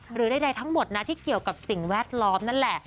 หรือใดทั้งหมดนะที่เกี่ยวกับสิ่งแวดล้อมนั่นแหละ